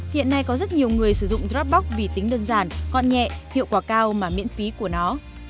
hiện nay có rất nhiều người sử dụng rapbak vì tính đơn giản gọn nhẹ hiệu quả cao mà miễn phí của nó